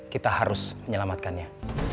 kita harus menyelamatkannya